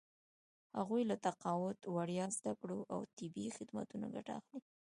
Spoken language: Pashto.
هغوی له تقاعد، وړیا زده کړو او طبي خدمتونو ګټه اخلي.